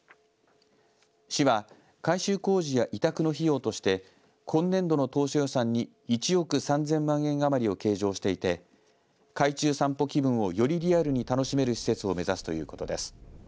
市は改修工事や委託の費用として今年度の当初予算に１億３０００万円余りを計上していて海中散歩気分をよりリアルに楽しめる施設を目指すということです。